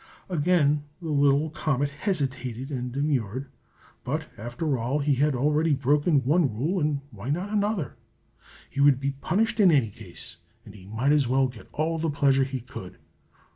Again the little comet hesitated and demurred; but after all, he had already broken one rule, and why not another? He would be punished in any case, and he might as well get all the pleasure he could.